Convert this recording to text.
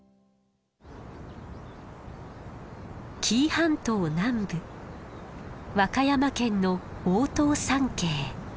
紀伊半島南部和歌山県の大塔山系。